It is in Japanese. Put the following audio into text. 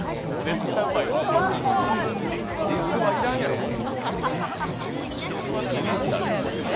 器要らんやろ、これ。